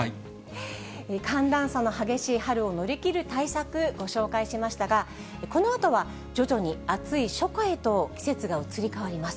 寒暖差の激しい春を乗りきる対策、ご紹介しましたが、このあとは徐々に暑い初夏へと季節が移りかわります。